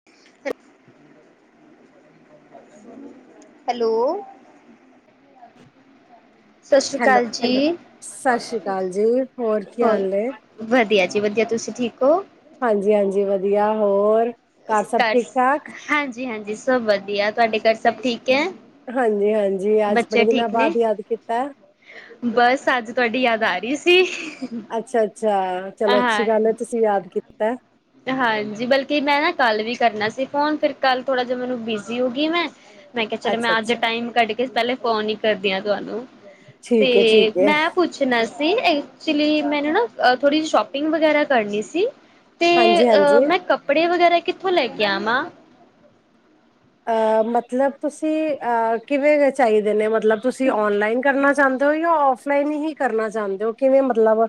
ਹ [inaudible] ਹੈਲੋ! ਸਤਿ ਸ਼੍ਰੀ ਹੈਲੋ ਅਕਾਲ ਜੀ। ਸਤਿ ਸ੍ਰੀ ਅਕਾਲ ਜੀ ਕੀ ਹੋਰ? ਹਾਲ ਨੇ ਵਧੀਆ ਜੀ, ਵਧੀਆ, ਤੁਸੀਂ ਠੀਕ ਹੋ? ਹਾਂਜੀ-ਹਾਂਜੀ, ਵਧੀਆ। ਹੋਰ? ਘਰ ਸਭ ਘ, ਠੀਕ ਠਾਕ ਹਾਂਜੀ-ਹਾਂਜੀ ਸਭ ਵਧੀਆ, ਤੁਹਾਡੇ ਘਰ ਸਭ ਠੀਕ ਐ? ਹਾਂਜੀ-ਹਾਂਜੀ, ਅੱਜ ਬੜੇ ਦਿਨਾਂ ਬਾਅਦ ਯਾਦ ਕੀਤਾ? ਬਸ, ਅੱਜ ਤੁਹਾਡੀ ਯਾਦ ਆ ਰਹੀ ਸੀ। ਅੱਛਾ-ਅੱਛਾ, ਚਲੋ ਅੱਛੀ ਗੱਲ ਐ, ਹਾਂਜੀ ਤੁਸੀਂ ਯਾਦ ਕੀਤਾ। ਹਾਂਜੀ, ਬਲਕਿ ਮੈਂ ਨਾ ਕੱਲ ਵੀ ਕਰਨਾ ਸੀ ਫੋਨ, ਫਿਰ ਕੱਲ ਥੋੜ੍ਹਾ ਜਿਹਾ ਮੈਨੂੰ ਬਿਜੀ ਹੋਗੀ 'ਮੈਂ'। ਮੈਂ ਕਿਹਾ ਚਲੋ, ਅੱਛਾ ਮੈਂ ਅੱਜ ਅੱਛਾ ਟਾਈਮ ਕੱਢਕੇ ਪਹਿਲੇ ਫੋਨ ਈ ਕਰਦੀ ਹਾਂ, ਤੁਹਾਨੂੰ। ਤੇ, ਠੀਕ ਹੈ ਠੀਕ ਹੈ ਮੈਂ ਪੁੱਛ ਚਨਾਸੀ, ਐਕਚੁਲੀ ਮੈਨੂੰ ਨਾ ਥੋੜ੍ਹੀ ਜਿਹੀ ਸ਼ੌਪਿੰਗ ਵਗੈਰਾ ਕਰਨੀ ਸੀ ਹਾਂਜੀ ਅ, ਹਾਂਜੀ ਮੈਂ ਕੱਪੜੇ ਵਗੈਰਾ ਕਿੱਥੋਂ ਲੈਕੇ ਆਵਾਂ? ਅ ਮਤਲਬ ਤੁਸੀਂ, ਅ ਕਿਵੇਂ ਚਾਹੀਦੇ ਨੇ, ਮਤਲਬ ਤੁਸੀਂ ਔਨਲਾਈਨ ਕਰਨਾ ਚਾਹੁ ਔਫਲਾਈਨ ਹੀ ਕਰਨਾ ਚਾਹੁੰਦੇ ਹੋ, ਕਿਵੇਂ ਮਤਲਬ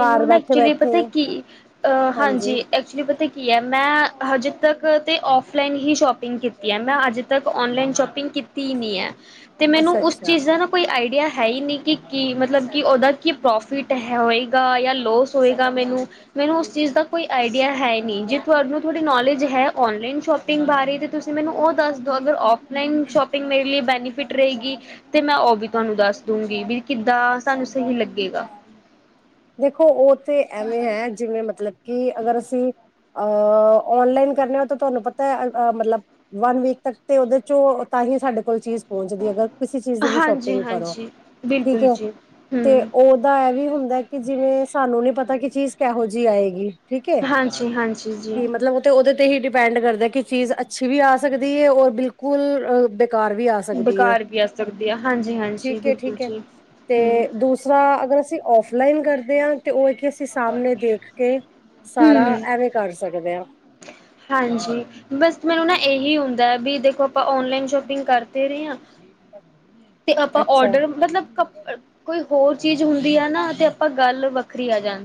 ਘਰ ਨਾ ਬੈਠੇ ਐਕਚੁਲੀ ਪਤਾ ਬੈਠੇ ਕੀ, ਅ ਹਾਂਜੀ। ਐਕਚੁਲੀ ਪਤਾ ਕੀ ਹੈ, ਮੈਂ ਹਜੇ ਤੱਕ ਤੇ ਔਫਲਾਈਨ ਹੀ ਸ਼ੋਪਿੰਗ ਕੀਤੀ ਹੈ, ਮੈਂ ਅੱਜ ਤੱਕ ਔਨਲਾਈਨ ਸ਼ੋਪਿੰਗ ਕੀਤੀ ਨੀ, ਐ। ਤੇ ਮੈਨੂੰ, ਅੱਛਾ ਉਸ ਅੱਛਾ ਚੀਜ਼ ਦਾ ਨਾ ਕੋਈ ਆਈਡੀਆ ਹੈਈ ਨੀ ਕਿ ਕੀ ਮਤਲਬ ਕਿ ਉਹਦਾ ਕੀ, ਪ੍ਰੌਫਿਟ ਹੋਇਗਾ, ਯਾ ਲੋਸ ਹੋਇਗਾ ਮੈਨੂੰ ਮੈਨੂੰ ਉਸ ਚੀਜ਼ ਦਾ ਕੋਈ ਆਈਡੀਆ ਹੈ ਇ ਨੀ, ਜੇ ਤੁਹਾਨੂੰ ਥੋਡੀ ਨੌਲੇਜ ਹੈ, ਅੋਨਲਾਈਨ ਸ਼ੋੌ ਪਿੰਗ ਬਾਰੇ, ਤਾਂ ਤੁਸੀਂ ਮੈਨੂੰ ਉ ਦੱਸਦੋ, ਅਗਰ ਔਫਲਾਈਨ ਸ਼ੋਪਿੰਗ ਮੇਰੇ ਲਈ ਬੈਨੀਫਿਟ ਰਹੇਗੀ। ਤੇ, ਮੈਂ ਓਵੀ ਤੁਹਾੰਨੂਂ ਦੱਸ ਦੂੰਗੀ ਵੀ, ਕਿੱਦਾਂ ਸਾਨੂੰ ਸਹੀ ਲੱਗੇਗਾ। ਦੇਖੋ, ਉ ਤੇ ਐਵੇਂ ਹੈ, ਜਿਵੇਂ ਮਤਲਬ ਕਿ, ਅਗਰ ਅਸੀਂ ਅ ਔਨਲਾਈਨ ਕਰਨੈ ਤਾਂ ਤੁਹਾਨੂੰ ਪਤਾ ਏ, ਮਤਲਬ ਵਨ-ਵੀਕ ਤੱਕ ਤੇ ਉਹਦੇ'ਚੋਂ ਤਾਂਹੀ ਸਾਡੇ ਕੋਲ ਚੀਜ਼ ਪਹੁੰਚੱਦੀ ਅਗਰ ਕਿਸੇ ਚੀਜ਼ ਦੀ ਵੀ ਸ਼ੋਪਿੰਗ ਕਰੋ, ਹਾਂਜੀ-ਹਾਂਜੀ, ਠੀਕ ਬਿਲਕੁਲ ਏ ਜੀ, ਤੇ ਹੂੰ। ਓ ਤਾ ਐਵੀ ਹੁੰਦਾ ਕਿ ਜਿਵੇਂ, ਸਾਨੂੰ ਨੀ ਪਤਾ ਕਿ ਚੀਜ਼ ਕਿਹੋ ਜੀ ਆਏਗੀ ਠੀਕ ਏ, ਹਾਂਜੀ-ਹਾਂਜੀ ਜੀ, ਕੀ ਮਤਲਬ ਤੇ ਓਹਦੇ ਤੇ ਹੀ ਡਿਪੈਂਡ ਕਰਦਾ ਕਿ, ਚੀਜ਼ ਅੱਛੀ ਵੀ ਆ ਸਕਦੀ ਏ, ਔਰ ਬਿਲਕੁਲ ਬੇਕਾਰ ਵੀ ਆ ਸਕਦੀ ਹੈ ਬਕਾਰ ਵੀ ਆ ਸਕਦੀ ਆ, ਹਾਂਜੀ-ਹਾਂਜੀ ਠੀਕ ਹੈ ਬਿਲਕੁਲ ਠੀਕ ਹੈ ਜੀ। ਤੇ, ਦੂਸਰਾ ਅਗਰ ਅਸੀਂ ਔਫ ਲਾਈਨ ਕਰਦੇ ਆਂ, ਤੇ ਉਹ ਇੱਥੇ ਅਸੀ ਸਾਹਮਣੇ ਦੇਖਕੇ ਸਾਰਾ ਹੂੰ-ਹੂੰ, ਐਵੇਂ ਕਰ ਸਕਦੇ ਆਂ। ਹਾਂਜੀ। ਬਸ ਮੈਨੂੰ ਨਾ ਇਹੀ ਹੁੰਦਾ ਵੀ ਦੇਖੋ, ਆਪਾਂ ਓਨਲਾਈਨ ਸ਼ੋਪਿੰਗ ਕਰ ਦੇ ਰਹੇ ਹਾਂ ਤੇ ਆਪਾਂ ਅੱਛਾ, ਔਡਰ, ਮਤਲਬ, ਕ ਕੋਈ ਹੋਰ ਚੀਜ਼ ਹੁੰਦੀ ਆ ਨਾ, ਤੇ ਆਪਾਂ ਗੱਲ ਵੱਖਰੀ ਆ ਜਾਣ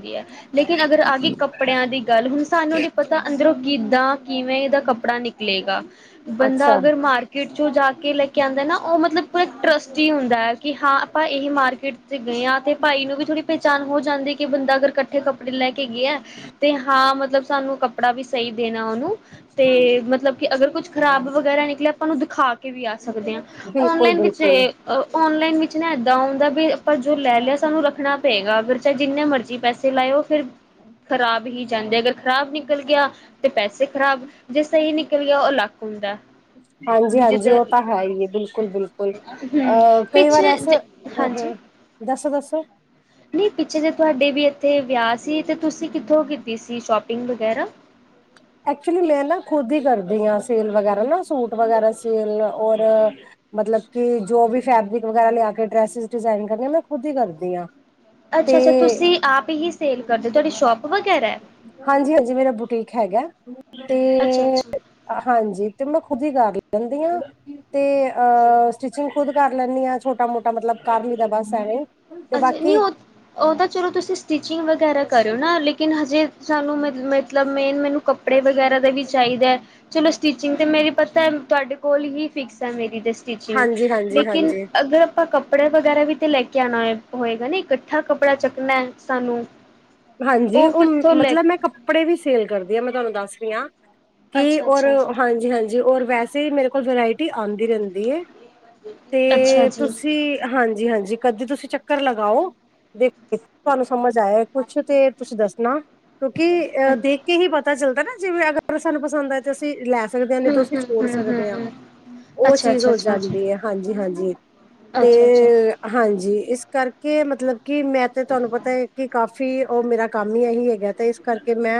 ਲੇਕਿਨ, ਅਗਰ ਆਗੀ ਕੱਪੜਿਆਂ ਦੀ ਗੱਲ, ਹੁਣ ਸਾਨੂੰ ਨੀ ਪਤਾ ਅੰਦਰੋਂ ਕਿੱਦਾਂ, ਕਿਵੇਂ ਦਾ ਕੱਪੜਾ ਨਿਕਲੇਗਾ। ਬੰਦਾ ਅੱਛਾ ਅਗਰ ਮਾਰਕੀਟ'ਚੋਂ ਜਾਕੇ ਲੈਕੇ ਆਂਦਾ ਨਾ, ਓ ਮਤਲਬ ਪਰ, ਟ੍ਰਸਟੀ ਹੁੰਦਾ, ਕਿ ਹਾਂ, ਆਪਾਂ ਏਹੀ ਮਾਰਕੀਟ'ਚ ਗਏ ਆਂ, ਤੇ ਭਾਈ ਨੂੰ ਵੀ ਥੋੜ੍ਹੀ ਪੇਚਾਣ ਹੋ ਜਾਂਦੀ, ਕਿ ਬੰਦਾ ਅਗਰ ਕੱਠੇ ਕੱਪੜੇ ਲੈਕੇ ਗਿਆ ਤੇ, ਹਾਂ ਮਤਲਬ ਸਾਨੂੰ ਕੱਪੜਾ ਵੀ ਸਈ ਦੇਣਾ ਓਹਨੂੰ ਤੇ, ਮਤਲਬ ਕਿ ਅਗਰ ਕੁੱਝ ਖ਼ਰਾਬ ਵਗੈਰਾ ਨਿਕਲਿਆ, ਆਪਾਂ ਉਹਨੂੰ ਦਿਖਾਕੇ ਵੀ ਆ ਸਕਦੇ ਆਂ। ਬਿਲਕੁਲ-ਬਿਲਕੁਲ। ਤੇ ਔਨਲਾਈਨ ਵਿੱਚ ਨਾ ਏਦਾਂ ਹੁੰਦਾ ਵੀ ਆਪਾਂ ਜੋ ਲੈ ਲਿਆ ਸਾਨੂੰ ਰੱਖਣਾ ਪਇਗਾ, ਫਿਰ ਚਾਹੇ ਜਿੰਨੇ ਮਰਜ਼ੀ ਪੈਸੇ ਤੇ ਲਾਇਓ ਫਿਰ ਖ਼ਰਾਬ ਹੀ ਜਾਂਦੇ, ਅਗਰ ਖ਼ਰਾਬ ਨਿਕਲ ਗਿਆ ਤੇ, ਪੈਸੇ ਖ਼ਰਾਬ। ਜੇ ਸਹੀ ਨਿਕਲ ਗਿਆ ਓ ਲੱਕ ਹੁੰਦਾ। ਹਾਂਜੀ ਵੀ ਹਾਂਜੀ ਜਿੱਦਾਂ ਉ ਤਾਂ ਹੈ ਈ ਬਿਲਕੁਲ ਬਿਲਕੁਲ। ਲ, ਹਮ ਅ ਕਈ ਵਾਰ ਪਿੱਛੇ ਐਸਾ, ਹ ਹਮ ਦੱਸੋ- ਦੱਸੋ ਨੀ ਪਿੱਛੇ ਜੇ ਤੁਹਾਡੇ ਵੀ ਇੱਥੇ ਵੇਆ ਸੀ ਤੇ ਤੁਸੀਂ ਕਿੱਥੋਂ ਕੀਤੀ ਸੀ ਸ਼ੋਪਿੰਗ ਵਗੈਰਾ ਐਕਚੁਲੀ ਮੈਂ ਨਾ ਖੁਦ ਈ ਕਰਦੀ ਆ ਸੇਲ ਵਗੈਰਾ ਨਾ ਸੂਟ ਵਗੈਰਾ ਸੇਲ ਔਰ ਮਤਲਬ ਕਿ ਜੋ ਵੀ ਫੈਬਰਿਕ ਵਗੈਰਾ ਲਿਆ ਕੇ ਡਰੈਸ ਡਿਜ਼ਾਈਨ ਕਰਨੀ ਆ ਮੈਂ ਖੁਦ ਈ ਕਰਦੀ ਆ। ਅੱਛਾ ਅੱਛਾ ਤੁਸੀਂ ਆਪ ਹੀ ਸੇਲ ਕਰਦੇ ਅੋ ਤੁਹਾਡੀ ਸ਼ੋਪ ਵਗੈਰਾ ਹਾਂਜੀ ਹਾਂਜੀ ਮੇਰਾ ਬੁਟੀਕ ਹੈਗਾ ਤੇ ਅੱਛਾ ਅੱਛਾ ਹਾਂਜੀ ਤੇ ਮੈਂ ਖੁਦ ਈ ਕਰ ਲੈਂਦੀ ਆ। ਤੇ ਅ ਸਟਿਚਿੰਗ ਖੁਦ ਕਰ ਲੈਂਨੀ ਆ ਛੋਟਾ ਮੋਟਾ ਮਤਲਬ ਕਰ ਲਈਦਾ ਬਸ ਐਵੇਂ। ਤੇ ਅੱਛਾ ਨੀ ਬਾਕੀ ਉਹ ਉ ਤਾਂ ਚਲੋ ਤੁਸੀਂ ਸਟਿਚਿੰਗ ਵਗੈਰਾ ਕਰੋ ਨਾ ਲੇਕਿਨ ਹਜੇ ਸਾਨੂੰ ਮ ਮਤਲਬ ਮੇਨ ਮੈਨੂੰ ਕੱਪੜੇ ਵਗੈਰਾ ਦਾ ਵੀ ਚਾਈਦਾ। ਚਲੋ ਸਟਿਚਿੰਗ ਤੇ ਮੇਰੀ ਪਤਾ ਤੁਹਾਡੇ ਕੋਲ ਹੀ ਫਿਕਸ ਅ ਮੇਰੀ ਤੇ। ਸਟੀਚਿੰਗ ਹਾਂਜੀ ਹਾਂਜੀ ਲੇਕਿਨ ਹਾਂਜੀ ਅਗਰ ਆਪਾਂ ਕੱਪੜੇ ਵਗੈਰਾ ਵੀ ਤੇ ਲੈ ਕੇ ਆਣਾ ਹੋਏ। ਹੋਏਗਾ ਨੀ ਇਕੱਠਾ ਕੱਪੜਾ ਚੱਕਣਾ ਸਾਨੂੰ। ਹਾਂਜੀ ਉਹ ਉ ਕਿੱਥੋਂ ਲੈ ਮਤਲਬ ਮੈਂ ਕੱਪੜੇ ਵੀ ਸੇਲ ਕਰਦੀ ਆ ਮੈਂ ਤਾਨੂੰ ਦੱਸ ਰੀ ਆ। ਕੀ ਅੱਛਾ ਅੋਰ ਅੱਛਾ ਜੀ। ਹਾਂਜੀ ਹਾਂਜੀ ਅੋਰ ਵੈਸੇ ਮੇਰੇ ਕੋਲ ਵਰਾਇਟੀ ਆਦੀਂ ਰਹੰਦੀ ਏ। ਅੱਛਾ ਤੇ ਜੀ, ਤੁਸੀਂ ਹਾਂਜੀ ਹਾਂਜੀ ਕਦੀ ਤੁਸੀਂ ਚੱਕਰ ਲਗਾਓ ਦੇ ਤੁਹਾਨੂੰ ਸਮਝ ਆਇਆ। ਕੁੱਛ ਤੇ ਤੁਛ ਦੱਸਣਾ ਕਿਉਂਕਿ ਅ ਹੂੰ, ਦੇਖ ਕੇ ਹੀ ਪਤਾ ਚੱਲਦਾ ਨਾ ਜਿਵੇਂ ਅਗਰ ਸਾਨੂੰ ਪਸੰਦ ਆ। ਅਸੀਂ ਲੈ ਸਕਦੇ ਹਾਂ ਨਹੀਂ ਤਾਂ ਅਸੀਂ ਹੂੰ, ਛੋੜ ਹੂੰ, ਸਕਦੇ ਹਾਂ। ਹੂੰ। ਉਹ ਅੱਛਾ, ਚੀਜ਼ ਅੱਛਾ, ਹੋ ਅੱਛਾ, ਅੱਛਾ, ਜਾਂਦੀ ਹੈ ਹਾਂਜੀ ਹਾਂਜੀ ਤੇ ਅੱਛਾ, ਅੱਛਾ। ਹਾਂਜੀ ਇਸ ਕਰਕੇ ਮਤਲਬ ਕਿ ਮੈਂ ਤੇ ਤੁਹਾਨੂੰ ਪਤਾ ਹੈ ਕਿ ਫ ਉਹ ਮੇਰਾ ਕੰਮ ਹੀ ਇਹੀ ਹੈਗਾ ਤੇ ਇਸ ਕਰਕੇ ਮੈਂ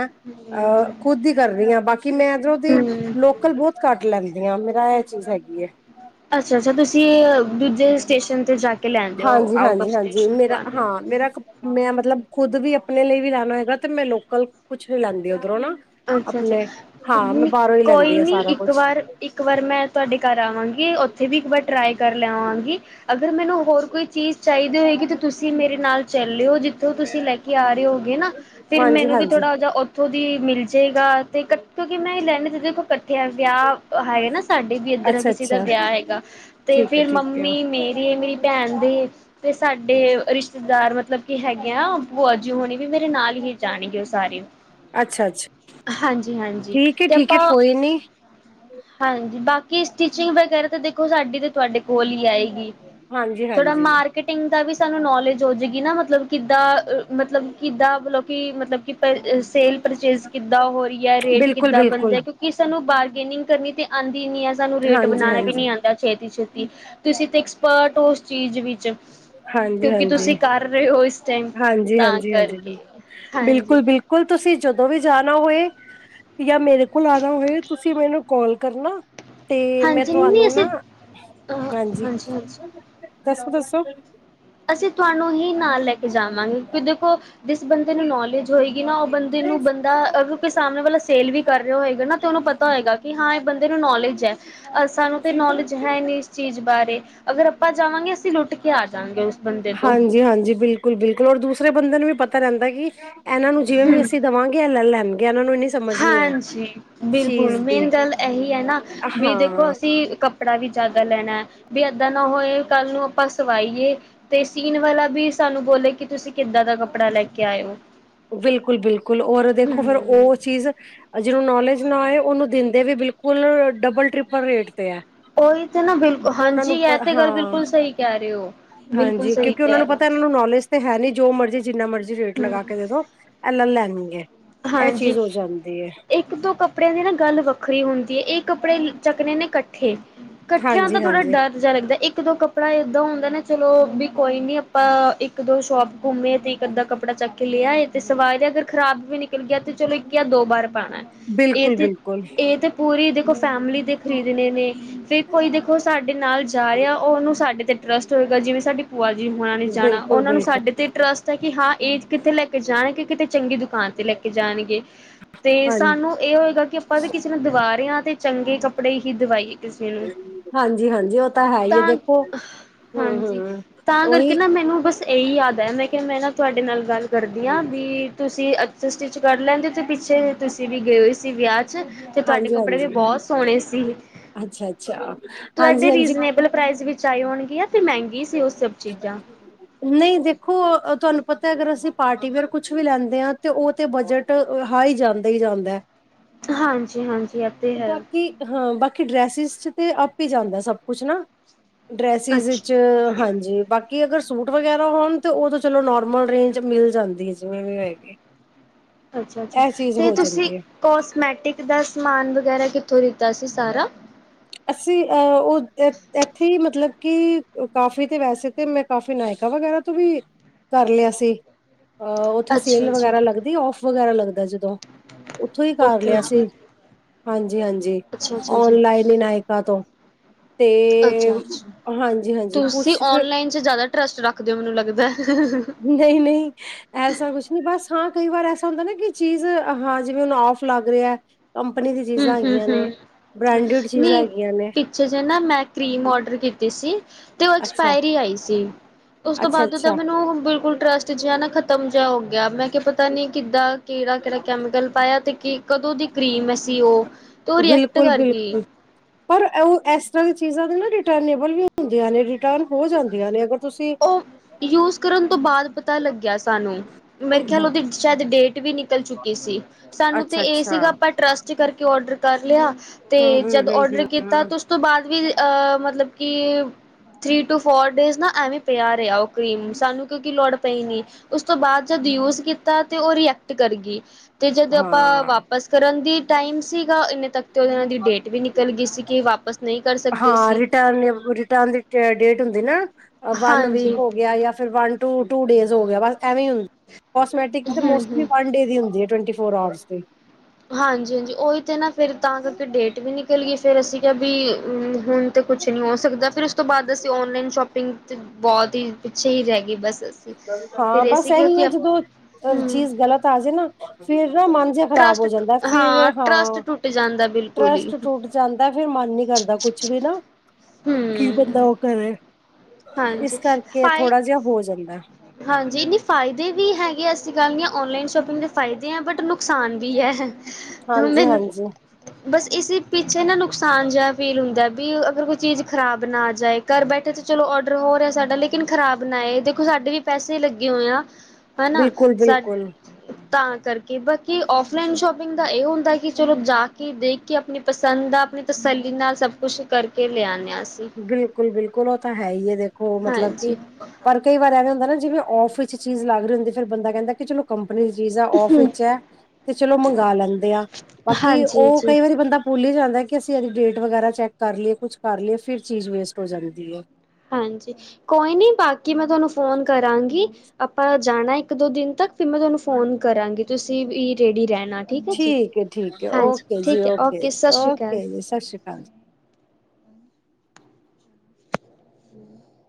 ਅਹ ਹੂੰ, ਖੁਦ ਹੀ ਕਰ ਰਹੀ ਹਾਂ ਬਾਕੀ ਮੈਂ ਇਧਰੋਂ ਦੀ ਹੂੰ। ਲੋਕ ਕਲ ਬਹੁਤ ਘੱਟ ਲੈਂਦੀ ਆ ਮੇਰਾ ਇਹ ਚੀਜ਼ ਹੈਗੀ। ਅੱਛਾ ਅੱਛਾ ਤੁਸੀਂ ਦੂਜੇ ਸਟੇਸ਼ਨ ਤੇ ਜਾ ਕੇ ਲੈਦੇ ਹੋ ਹਾਂਜੀ ਆਊਟਫ ਹਾਂਜੀ ਹਾਂਜੀ ਸਟੇਸ਼ਨ ਤੋਂ ਮੇਰਾ ਆਉਂਦੇ ਹੋ। ਹਾਂ ਮੇਰਾ ਕ- ਮੈਂ ਮਤਲਬ ਖੁਦ ਵੀ ਆਪਣੇ ਲਈ ਵੀ ਲੈਣਾ ਹੈਗਾ ਤੇ ਮੈਂ ਲੋਕਲ ਕੁਛ ਨੀ ਲੈਂਦੀ ਉੱਧਰੋਂ ਨਾ ਅੱਛਾ ਆਪਣੇ ਅੱਛਾ ਹਾਂ ਮੈਂ ਬਾਹਰੋਂ ਹੀ ਕੋਈ ਲੈਂਦੀ ਆ ਨਹੀਂ ਸਾਰਾ ਇੱਕ ਕੁਛ ਵਾਰ ਇੱਕ ਵਾਰ ਮੈਂ ਤੁਹਾਡੇ ਘਰ ਆਵਾਂਗੀ ਉੱਥੇ ਵੀ ਇੱਕ ਵਾਰ ਟਰਾਈ ਕਰ ਲੈਵਾਂਗੀ ਅਗਰ ਮੈਨੂੰ ਹੋਰ ਕੋਈ ਚੀਜ਼ ਚਾਹੀਦੀ ਹੋਏਗੀ ਤਾਂ ਤੁਸੀਂ ਮੇਰੇ ਨਾਲ ਚੱਲਿਓ ਜਿਥੋਂ ਤੁਸੀਂ ਲੈ ਕੇ ਆ ਰਹੇ ਹੋਗੇ ਨਾ ਫਿਰ ਹਾਂਜੀ ਮੈਨੂੰ ਵੀ ਹਾਂਜੀ ਥੋੜਾ ਜਹਾ ਉੱਥੋਂ ਦੀ ਮਿਲ ਜੇਗਾ ਤੇ ਕਿਉਂਕਿ ਮੈਂ ਇਹ ਲਹਣੇ ਜੋ ਇਕੱਠੇ ਆ ਵਿਆਹ ਹੈ ਨਾ ਸਾਡੇ ਵੀ ਇੱਧਰ ਅੱਛਾ ਕਿਸੇ ਦਾ ਅੱਛਾ ਵਿਆਹ ਹੈਗਾ ਤੇ ਠੀਕ ਹੈ ਫਿਰ ਠੀਕ ਹੈ ਮੰਮੀ ਮੇਰੀ ਮੇਰੀ ਭੈਣ ਦੀ ਤੇ ਸਾਡੇ ਰਿਸ਼ਤੇਦਾਰ ਮਤਲਬ ਕਿ ਹੈਗੇ ਆ ਬੂਆ ਜੀ ਹੋਣੀ ਵੀ ਮੇਰੇ ਨਾਲ ਈ ਜਾਣਗੇ ਉ ਸਾਰੇ ਅੱਛਾ ਅੱਛਾ ਹਾਂਜੀ, ਹਾਂਜੀ ਠੀਕ ਹੈ ਤੇ ਠੀਕ ਹੈ ਆਪਾਂ ਕੋਈ ਨੀ ਹਾਂਜੀ ਬਾਕੀ ਸਟਿਚਿੰਗ ਵਗੈਰਾ ਤਾਂ ਦੇਖੋ ਸਾਡੀ ਤਾਂ ਤੁਹਾਡੇ ਕੋਲ ਈ ਆਏਗੀ ਹਾਂਜੀ ਥੋੜਾ ਹਾਂਜੀ ਮਾਰ ਫਿਟਿੰਗ ਦਾ ਵੀ ਸਾਨੂੰ ਨੌਲੇਜ ਹੋ ਜਾਵੇਗੀ ਨਾ ਮਤਲਬ ਕਿੱਦਾਂ ਮਤਲਬ ਕਿੱਦਾਂ ਮਤਲਬ ਕਿ ਮਤਲਬ ਕਿ ਪਰ ਸੇਲ ਪਰਚੇਜ ਕਿੱਦਾਂ ਹੋ ਰਹੀ ਹੈ ਰੇਟ ਬਿਲਕੁਲ ਕਿੱਦਾਂ ਬਿਲਕੁਲ ਬਣਦਾ ਕਿਉਂਕਿ ਸਾਨੂੰ ਬਾਰਗੇਨਿੰਗ ਕਰਨੀ ਤੇ ਆਉਂਦੀ ਨੀ ਹੈ ਸਾਨੂੰ ਰੇਟ ਹਾਂਜੀ ਬਣਾਉਣਾ ਵੀ ਹਾਂਜੀ ਨੀ ਆਉਂਦਾ ਛੇਤੀ ਛੇਤੀ ਤੁਸੀਂ ਤੇ ਐਕਸਪਰਟ ਹੋ ਉਸ ਚੀਜ਼ ਵਿੱਚ ਹਾਂਜੀ ਕਿਉਂਕਿ ਹਾਂਜੀ ਤੁਸੀਂ ਕਰ ਰਹੇ ਹੋ ਇਸ ਟਾਈਮ ਹਾਂਜੀ ਤਾਂ ਕਰਕੇ, ਹਾਂਜੀ ਹੁਣ ਤੁਸੀਂ ਜਦੋਂ ਵੀ ਜਾਣਾ ਹੋਏ ਜਾਂ ਮੇਰੇ ਕੋਲ ਆਣਾ ਹੋਏ ਤੁਸੀਂ ਮੈਨੂੰ ਕਾਲ ਕਰਨਾ ਤੇ ਮੈਂ ਨਹੀਂ ਤੁਹਾਨੂੰ ਨਾ ਅਸੀਂ ਹਾਂਜੀ ਹਾਂਜੀ-ਹਾਂਜੀ ਦੱਸੋ ਦੱਸੋ ਅਸੀਂ ਤੁਹਾਨੂੰ ਹੀ ਨਾਲ ਲੈ ਕੇ ਜਾਵਾਂਗੇ ਕਿ ਦੇਖੋ ਜਿਸ ਬੰਦੇ ਨੂੰ ਨੌਲੇਜ ਹੋਏ ਕਿ ਨਾ ਉਹ ਬੰਦੇ ਨੂੰ ਬੰਦਾ ਅ ਸਾਹਮਣੇ ਵਾਲਾ ਸੇਲ ਵੀ ਕਰ ਰਹੇ ਹੋਏਗਾ ਨਾ ਤੇ ਉਹਨੂੰ ਪਤਾ ਹੋਏਗਾ ਕਿ ਹਾਂ ਇਹ ਬੰਦੇ ਨੂੰ ਨੌਲੇਜ ਹੈ ਅਹ ਸਾਨੂੰ ਤੇ ਨੌਲੇਜ ਹੈ ਨੀ ਇਸ ਚੀਜ਼ ਬਾਰੇ ਅਗਰ ਆਪਾਂ ਜਾਵਾਂਗੇ ਅਸੀਂ ਲੁੱਟ ਕੇ ਆ ਜਾ ਗਏ ਹਾਂਜੀ, ਹਾਂਜੀ, ਬਿਲਕੁਲ, ਬਿਲਕੁਲ ਔਰ ਦੂਸਰੇ ਬੰਦੇ ਨੂੰ ਵੀ ਪਤਾ ਰਹਿੰਦਾ ਕਿ ਇਹਨਾਂ ਨੂੰ ਜਿਵੇਂ ਵੀ ਅਸੀਂ ਦੇਵਾਂਗੇ। ਇਹ ਲੈ ਲੈਣਗੇ ਇਹਨਾਂ ਨੂੰ ਇਨੀ ਸਮਝ ਨਹੀਂ। ਹਾਂਜੀ ਬਿਲਕੁਲ ਦੀ ਮੇਨ ਗੱਲ ਇਹੀ ਹੈ ਨਾ ਵੀ ਹਾਂ ਦੇਖੋ ਅਸੀਂ ਕਪ। ਕੱਪੜਾ ਵੀ ਜ਼ਿਆਦਾ ਲੈਣਾ ਵੀ ਏਦਾਂ ਨਾ ਹੋਏ ਕੱਲ੍ਹ ਨੂੰ ਆਪਾਂ ਸਵਾਈਏ। ਤੇ ਸੀਨ ਵਾਲਾ ਵੀ ਸਾਨੂੰ ਬੋਲੇ ਕਿ ਤੁਸੀਂ ਕਿੱਦਾਂ ਦਾ ਕੱਪੜਾ ਲੈ ਕੇ ਆਏਓ। ਬਿਲਕੁਲ, ਬਿਲਕੁਲ ਔਰ ਦੇਖੋ ਫਿਰ ਹਮ ਉਹ ਚੀਜ਼। ਜਿਹਨੂੰ ਨੌਲੇਜ ਨਾ ਹੋਏ ਉਹਨੂੰ ਦਿੰਦੇ ਵੀ ਬਿਲਕੁਲ ਡਬਲ ਟ੍ਰਿਪਲ ਰੇਟ 'ਤੇ ਹੈ। ਉਹੀ ਤੇ ਨਾ ਬਿਲਕੁਲ ਉਹਨਾਂ ਹਾਂਜੀ ਨੂੰ ਇਹ ਪ ਤੇ ਗੱਲ ਹਾਂ ਬਿਲਕੁਲ ਸਹੀ ਕਹਿ ਰਹੇ ਹੋ। ਬਿਲਕੁਲ ਹਾਂਜੀ ਸਹੀ ਕਿਉਕਿ ਉਹਨਾਂ ਕਹਿ ਨੂੰ ਰਹੇ ਹੋ ਪਤਾ ਇਹਨਾਂ ਨੂੰ ਨੌਲੇ। ਜ ਤੇ ਹੈ ਨੀ ਜੋ ਮਰਜ਼ੀ ਜਿੰਨਾ ਮਰਜ਼ੀ ਰੇਟ ਹੂੰ ਲਗਾ ਕੇ ਕੇ ਦੇ ਦਿਉ। ਐ ਲੈ ਲੈਣੀ ਏ। ਹਾਂਜੀ, ਇੱਕ ਦੋ ਕੱਪੜਿਆਂ ਦੀ ਨਾ ਗੱਲ ਵ। ਵੱਖਰੀ ਹੁੰਦੀ ਹੈ ਇਹ ਕੱਪੜੇ ਚੱਕਣੇ ਨੇ ਇਕੱਠੇ ਕੱਠਿਆਂ ਦਾ ਥੋੜਾ ਹਾਂਜੀ-ਹਾਂਜੀ ਡਰ। ਹਾ ਲੱਗਦਾ ਇੱਕ ਦੋ ਕੱਪੜਾ ਏਦਾਂ ਹੁੰਦਾ ਨਾ ਚਲੋ ਵੀ ਕੋਈ ਨੀ ਆਪਾਂ ਇੱਕ ਦੋ ਸ਼ੋਪ। ਘੁੰਮੇ ਤੇ ਇਕ ਅੱਧਾ ਕੱਪੜਾ ਚੱਕ ਕੇ ਲਿਆਏ ਤੇ ਸਵਾਏ ਦੇ ਅਗਰ ਖਰਾਬ ਵੀ ਨਿਕਲ। ਨਿਕਲ ਗਿਆ ਤੇ ਚਲੋ ਇੱਕ ਆ ਦੋ ਵਾਰ ਪਾਉਣਾ। ਬਿਲਕੁਲ ਬਿਲਕੁਲ। ਇਹ ਤੇ ਪੂਰੀ ਦੇਖੋ ਫੈਮਿਲੀ ਦੇ ਖ਼ਰੀਦਣੇ ਨੇ ਫਿਰ ਕੋਈ ਦੇਖੋ ਸਾਡੇ ਨਾਲ ਜਾ ਰਿਹਾ ਉਹਨੂੰ ਸਾਡੇ। ਸਾਡੇ ਤੇ ਟਰੱਸਟ ਹੋਏਗਾ ਜਿਵੇਂ ਸਾਡੀ ਭੂਆ ਜੀ ਹੋਣਾ ਨੇ ਜਾਣਾ ਉਹਨਾ ਨੂੰ ਬਿਲਕੁਲ-ਬਿਲਕੁਲ ਸਾਡੇ ਤੇ ਟਰੱਸਟ। ਕਿ ਹਾਂ ਇਹ ਕਿੱਥੇ ਲੈ ਕੇ ਜਾਣਗੇ ਕਿਤੇ ਚੰਗੀ ਦੁਕਾਨ ਤੇ ਲੈ ਕੇ ਜਾਣਗੇ। ਤੇ ਹਾਂ ਸਾਨੂੰ ਇਹ ਹੋਏਗਾ ਕਿ ਆਪਾਂ ਵੀ ਕਿਸੇ ਨੂੰ ਦਵਾ ਰਹੇ ਹਾਂ ਤੇ ਚੰਗੇ ਕੱਪੜੇ ਹੀ ਦਵਾਈਏ। ਕਿਸ ਵੇਲ਼ੇ ਹਾਂਜੀ-ਹਾਂਜੀ ਉਹ ਹੈ ਹੀ ਹੈ ਤਾਂ ਦੇਖੋ ਹਾਂਜੀ ਹੂੰ-ਹੂੰ ਤਾਂ ਕਰਕੇ ਉਹੀ ਨਾ ਮੈਨੂੰ ਬਸ। ਇਹੀ ਯਾਦ ਆ ਮੈਂ ਕਿਹਾ ਮੈਂ ਨਾ ਤੁਹਾਡੇ ਨਾਲ ਗੱਲ ਕਰਦੀ ਹਾਂ ਵੀ ਤੁਸੀਂ ਅ ਸਟਿੱਚ ਕਰ ਲੈਂਦੇ ਅਤੇ ਪਿੱਛੇ ਤੁਸੀਂ ਵੀ ਗਏ ਹੋਏ ਸੀ ਵਿਆਹ। ਤੇ ਤੁਹਾਡੇ ਕੱਪੜੇ ਵੀ ਬਹੁਤ ਸੋਹਣੇ ਸੀ। ਅੱਛਾ ਅੱਛਾ ਹਾਂਜੀ ਹਾਂਜੀ। ਚਾਹੇ ਹੋਣਗੀਆਂ ਤੇ ਮਹਿੰਗੀ ਸੀ ਉਹ ਸਭ ਚੀਜ਼ਾਂ। ਨਹੀਂ ਦੇਖੋ ਤੁਹਾਨੂੰ ਪਤਾ ਅਗਰ ਅਸੀਂ ਪਾਰਟੀ ਵੇਅਰ ਕੁਛ ਵੀ ਲੈਂਦੇ ਹਾਂ ਤੇ ਉਹ ਤੇ ਬਜਟ ਹਾਈ ਜਾਂਦਾ ਹੀ ਜਾਂਦਾ। ਹਾਂਜੀ ਹਾਂਜੀ ਇਹ ਤੇ ਹੈ ਹੀ। ਬਾਕੀ ਹਾਂ ਬਾਕੀ ਡਰੈਸਿਸ 'ਚ ਤਾਂ ਆਪ ਹੀ ਜਾਂਦਾ ਸਭ ਕੁਛ ਨਾ ਡਰੈਸਿਸ। ਚ ਅੱਛਾ ਹਾਂਜੀ। ਬਾਕੀ ਅਗਰ ਸੂਟ ਵਗੈਰਾ ਹੋਣ ਤਾਂ ਉਹ ਤਾਂ ਚਲੋ ਨੋਰਮਲ ਰੇਂਜ ਮਿਲ ਜਾਂਦੀ ਹੈ ਜਿਵੇਂ ਵੀ ਹੋਏਗੀ। ਅੱਛਾ ਅੱਛਾ ਇਹ ਚੀਜ਼ ਅਤੇ ਹੋ ਤੁਸੀਂ ਜਾਂਦੀ ਹੈ ਕੋਸਮੈਟਿਕ ਦਾ ਸਮਾਨ ਵਗੈਰਾ ਕਿੱਥੋਂ ਲਿਤਾ ਸੀ ਸਾਰਾ। ਅਸੀਂ ਅਹ ਉਹ ਇੱਥੇ ਹੀ ਮਤਲਬ ਕਿ ਕਾਫੀ ਤੇ ਵੈਸੇ ਤੇ ਮੈਂ। ਕਾਫੀ ਨਾਇਕਾ ਵਗੈਰਾ ਤੋਂ ਵੀ ਕਰ ਲਿਆ ਸੀ। ਅ ਉੱਥੇ ਅੱਛਾ ਸੇਲ ਜੀ, ਵਗੈਰਾ ਲੱਗਦੀ ਔਫ ਵਗੈਰਾ ਲੱਗਦਾ ਜਦੋਂ। ਉੱਥੋਂ ਹੀ ਕਰ ਓਕੇ ਲਿਆ ਜੀ, ਸੀ ਹਾਂਜੀ, ਹਾਂਜੀ ਅੱਛਾ-ਅੱਛਾ ਜੀ, ਔਨਲਾਈਨ। ਵਿਨਇਕਾਂ ਤੋਂ ਤੇ ਅੱਛਾ ਅੱਛਾ ਹਾਂਜੀ ਹਾਂਜੀ ਤੁਸੀਂ ਕੁਛ ਫਿਰ ਓਨਲਾਈਨ ਚ ਜ਼ਿਆਦਾ ਇੰਟਰਸਟ ਰੱਖਦੇ ਹੋ ਮੈਨੂੰ ਲੱਗਦਾ। ਨਹੀਂ ਨਹੀਂ। ਐਸਾ ਕੁਛ ਨਹੀਂ ਬਸ ਹਾਂ ਕਈ ਵਾਰ ਐਸਾ ਹੁੰਦਾ ਨਾ ਕਿ ਚੀਜ਼ ਹਾਂ ਜਿਵੇਂ ਹੁਣ ਆਫ ਲੱਗ ਰਿਹਾ। ਕੰਪਨੀ ਦੀ ਚੀਜ਼ਾਂ ਹੈਗੀਆਂ ਨੇ ਹੂੰ-ਹੂੰ-ਹੂੰ, ਬ੍ਰੈਂਡਡ ਚੀਜ਼ਾਂ ਹੈਗੀਆਂ ਨੇ। ਅੱਛਾ ਜੇ ਨਾ ਮੈਂ ਕਰੀਮ ਔਡਰ ਕੀਤੀ ਸੀ। ਤੇ ਉਹ ਅੱਛਾ ਐਕਸਪਾਇਰੀ ਆਈ ਸੀ ਉਸ ਤੋਂ ਅੱਛਾ ਬਾਅਦ ਓਦਾ ਅੱਛਾ ਮੈਨੂੰ ਬਿਲਕੁਲ ਟਸਟ। ਜਿਹਾ ਨਾ ਖਤਮ ਜਿਹਾ ਹੋ ਗਿਆ ਮੈਂ ਕਿਹਾ ਪਤਾ ਨੀ ਕਿੱਦਾਂ। ਕਿਹੜਾ ਕਿਹੜਾ ਕੈਮੀਕਲ ਪਾਇਆ ਤੇ ਕੀ ਕਦੋਂ ਦੀ ਕਰੀਮ ਸੀ ਉਹ। ਤੇ ਉਹ ਰਿਐਕਟ ਬਿਲਕੁਲ ਕਰ ਗਈ। ਬਿਲਕੁਲ। ਪਰ ਉਹ ਇਸ ਤਰ੍ਹਾਂ ਦੀ ਚੀਜ਼ਾਂ ਦੇ ਨਾ ਰਿਟਰਨੇਬਲ ਵੀ ਹੁੰਦੀਆਂ ਨੇ ਰਿਟਰਨ ਰੋਜ਼ ਜਾਂਦੀਆਂ ਨੇ ਅਗਰ। ਤੁਸੀਂ ਉਹ ਯੂਜ ਕਰਨ ਤੋਂ ਬਾਅਦ ਪਤਾ ਲੱਗਿਆ ਸਾਨੂੰ। ਮੇਰੇ ਖਿਆਲ ਓਹੋ ਉਹਦੀ ਸ਼ਾਇਦ ਡੇਟ ਵੀ ਨਿਕਲ ਚੁੱਕੀ ਸੀ ਸਾਨੂੰ ਤੇ ਅੱਛਾ ਇਹ ਅੱਛਾ ਸੀਗਾ ਪਰ ਟਰੱਸਟ ਕਰਕੇ ਔਡਰ ਕਰ ਲਿਆ ਤੇ ਹੂੰ ਹੂੰ ਜਦ ਹੂੰ ਔਡਰ ਹੂੰ ਕੀਤਾ ਹੂੰ ਤੁ ਉਸ ਤੋਂ ਬਾਅਦ ਵੀ ਮਤਲਬ ਕਿ ਥ੍ਰਰੀ ਟੂ ਫੋਰ ਡੇਜ਼ ਨਾ ਐਵੇਂ ਪਿਆ ਰਿਹਾ ਉਹ ਕਰੀਮ ਸਾਨੂੰ ਕਿਉਂਕਿ ਲੋੜ ਪਈ ਨੀ ਉਸ ਤੋਂ ਬਾਅਦ ਜਦ ਯੂਜ ਕੀਤਾ ਤੇ ਉਹ ਰੀਐਕਟ ਕਰ ਗਈ ਅਤੇ ਜਦੋਂ ਆਪਾਂ ਹਾਂ ਵਾਪਸ ਕਰਨ ਦੀ ਟਾਈਮ ਸੀਗਾ ਇੰਨੇ ਤੱਕ ਤੇ ਇਹਨਾਂ ਦੀ ਡੇਟ ਵੀ ਨਿਕਲ ਗਈ ਸੀ ਕਿ ਵਾਪਿਸ ਨਹੀਂ ਕਰ ਸਕ ਹਾਂ ਰਿਟਰਨ ਰਿਟਰਨ ਦੀ ਡੇਟ ਹੁੰਦੀ ਨਾ ਵਨ ਹਾਂਜੀ ਵੀਕ ਹੋ ਗਿਆ ਯਾ ਫਿਰ ਵ ਟੂ ਡੇਜ਼ ਹੋ ਗਿਆ ਐਵੇਂ ਹੁੰਦਾ ਕੋਸ ਮੈਟਿਕ ਤੇ ਹੂੰ ਮੋਸਟਲੀ ਹੂੰ ਵਨ ਡੇ ਦੀ ਹੁੰਦੀ ਫੋਰ ਆਵਰਸ ਦੀ ਹਾਂਜੀ ਹਾਂਜੀ ਉਹੀ ਤੇ ਨਾ ਫੇਿਰ ਤਾਂ ਕਰਕੇ ਡੇਟ ਵੀ ਨਿਕਲ ਗਈ ਫੇਿਰ ਅਸੀਂ ਜਾਂ ਵੀ ਹੁਣ ਤਾਂ ਕੁਛ ਨਹੀਂ ਹੋ ਸਕਦਾ ਫਿਰ ਉਸ ਤੋਂ ਬਾਅਦ ਅਸੀਂ ਔਨਲਾਈਨ ਸ਼ੋਪਿੰਗ ਚ ' ਬਹੁਤ ਹੀ ਪਿੱਛੇ ਹੀ ਰਹਿ ਗਏ ਬਸ ਹਾਂ ਫਿਰ ਇਹ ਬਸ ਸੀ ਇਹੀ ਹੈ ਕਿਉਂਕਿ ਜਦੋਂ ਹੂੰ ਚੀਜ਼ ਗਲਤ ਆ ਜਾੇ ਨਾ ਫੇਿਰ ਨਾ ਮਨ ਖ਼ਰਾਬ ਟਰੱਸਟ ਹੋ ਜਾਂਦਾ ਫਿਰ ਟਰੱਸਟ ਹਾਂ ਟੁੱਟ ਜਾਂਦਾ ਬਿਲਕੁਲ ਹੀ ਟਰਸਟ ਟੁੱਟ ਜਾਂਦਾ ਫੇਰ ਮਨ ਨਹੀਂ ਕਰਦਾ ਕੁਛ ਵੀ ਨਾ ਕੀ ਬੰਦਾ ਹੂੰ ਉਹ ਕਰੇ। ਇਸ ਹਾਂਜੀ ਕਰਕੇ ਫਾਈ ਥੋੜਾ ਜਿਹਾ ਹੋ ਜਾਂਦਾ। ਹਾਂਜੀ ਨਹੀਂ ਫਾਇਦੇ ਵੀ ਹੈਗੇ ਅਸੀਂ ਗੱਲ ਨਹੀਂ ਔਨਲਾਈਨ ਸ਼ੋਪਿੰਗ ਦੇ ਫਾਇਦੇ ਹੈ ਬਟ ਨੁਕਸਾਨ ਵੀ ਹੈ। ਹ ਹਾਂਜੀ ਮੈਨੂੰ ਹਾਂਜੀ। ਬਸ ਇਸ ਪਿੱਛੇ ਨਾ ਨੁਕਸਾਨ ਜਿਹਾ ਫੀਲ ਹੁੰਦਾ ਵੀ ਅਗਰ ਕੋਈ ਚੀਜ਼ ਖ਼ਰਾਬ ਨਾ ਜਾਏ ਘਰ ਬੈਠੇ ਚਲੋ ਔਡਰ ਹੋ ਰਿਹਾ ਸਾਡਾ ਲੇਕਿਨ ਖ਼ਰਾਬ ਨਾ ਆਏ ਦੇਖੋ ਸਾਡੇ ਵੀ ਪੈਸੇ ਲੱਗੇ ਹੋਏ ਆ। ਹੈ ਨਾ ਬਿਲਕੁਲ ਸਾਡ ਬਿਲਕੁਲ ਤਾਂ ਕਰਕੇ ਬਾਕੀ ਔਫਲਾਈਨ ਸ਼ੋਪਿੰਗ ਦਾ ਇਹ ਹੁੰਦਾ ਕਿ ਚਲੋ ਜਾ ਕੇ ਦੇਖ ਕੇ ਆਪਣੀ ਪਸੰਦ ਦਾ ਆਪਣੀ ਤਸੱਲੀ ਨਾਲ ਸਭ ਕੁਛ ਕਰਕੇ ਲੈ ਆਨੇ ਆਂ ਅਸੀਂ। ਬਿਲਕੁਲ ਬਿਲਕੁਲ ਉਹ ਤਾਂ ਹੈ ਹੀ ਹੈ ਦੇਖੋ ਮਤਲਬ ਕਿ ਹਾਂਜੀ ਪਰ ਕਈ ਬਾਰੇ ਹੁੰ ਨਾ ਜਿਵੇਂ ਔਫ ਵਿੱਚ ਚੀਜ਼ ਲੱਗ ਰ ਹੁੰਦੇ ਫਿਰ ਬਦਾ ਕਹਿੰਦਾ ਕਿ ਚਲੋ ਕੰਪਨੀ ਦੀ ਚੀਜ਼ ਹੈ ਓਫ ਵਿੱਚ ਹੈ ਤੇ ਚਲੋ ਮੰਗਾ ਲੈਂਦੇ ਆ ਬਾਕੀ ਹਾਂਜੀ ਉਹ ਜੀ ਕਈ ਵਾਰੀ ਬੰਦਾ। ਭੁੱਲ ਹੀ ਜਾਂਦਾ ਕਿ ਅਸੀਂ ਇਹਦੀ ਡੇਟ ਵਗੈਰਾ ਚੈੱਕ ਕਰ ਲਈਏ ਕੁਛ ਕਰ ਲਈਏ ਫਿਰ ਚੀਜ਼ ਵੇਸਟ ਹੋ ਜਾਂਦੀ ਹੈ। ਹਾਂਜੀ ਕੋਈ ਨੀ ਬਾਕੀ ਮੈਂ ਤੁਹਾਨੂੰ ਫੋਨ ਕਰਾਂਗੀ। ਆਪਾਂ ਜਾਣਾ ਇੱਕ ਦੋ ਦਿਨ ਤੱਕ ਫਿਰ ਮੈਂ ਤੁਹਾਨੂੰ ਫੋਨ ਕਰਾਂਗੀ ਤੁਸੀਂ ਵੀ ਰੇਡੀ ਰਹਿਣਾ। ਠੀਕ ਹੈ ਠੀਕ ਹੈ ਹਾਂਜੀ ਓਕੇ ਜੀ ਠੀਕ ਹੈ ਓਕੇ ਜੀ ਸਤਿ ਸ਼੍ਰੀ ਅਕਾਲ ਓਕੇ ਜੀ ਸਤਿ ਸ਼੍ਰੀ ਅਕਾਲ ਜੀ। ਹਮ।